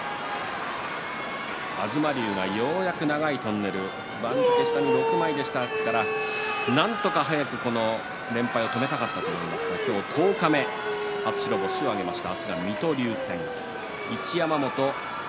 東龍は、ようやく長いトンネル、番付下に６枚なんとか早く連敗を止めたかったと思いますが今日十日目初白星を挙げました。